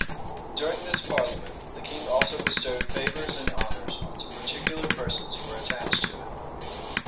During this parliament, the king also bestowed favors and honors on some particular persons who were attached to him.